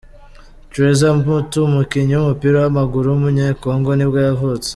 Trésor Mputu, umukinnyi w’umupira w’amaguru w’umunyekongo nibwo yavutse.